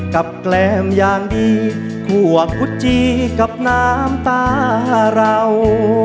กับแกรมอย่างดีขัวกุจจีกับน้ำตาเรา